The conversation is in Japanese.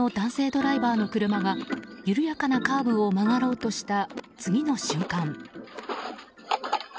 ドライバーの車が緩やかなカーブを曲がろうとした次の瞬間。